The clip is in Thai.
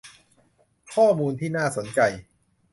ข้อมูลที่น่าสนใจ